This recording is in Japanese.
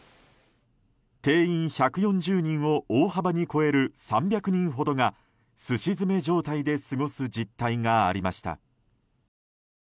定員１４０人を大幅に超える３００人ほどがすし詰め状態で過ごす実態がありました。